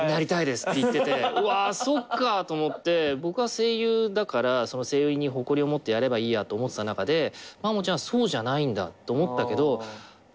僕は声優だから声優に誇りを持ってやればいいやと思ってた中でまもちゃんはそうじゃないんだって思ったけどなれるよって。